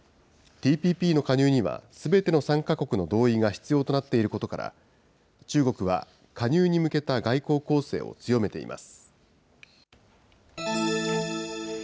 ＴＰＰの加入にはすべての参加国の同意が必要となっていることから、中国は加入に向けた外交攻勢を強めています。